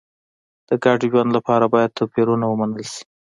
د ګډ ژوند لپاره باید توپیرونه ومنل شي.